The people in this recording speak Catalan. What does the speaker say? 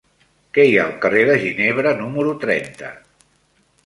Què hi ha al carrer de Ginebra número trenta?